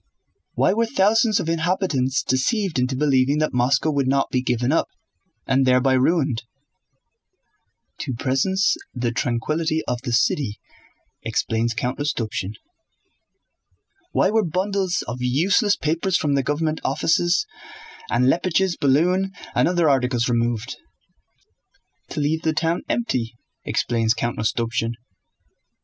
Why were thousands of inhabitants deceived into believing that Moscow would not be given up—and thereby ruined?" "To preserve the tranquillity of the city," explains Count Rostopchín. "Why were bundles of useless papers from the government offices, and Leppich's balloon and other articles removed?" "To leave the town empty," explains Count Rostopchín.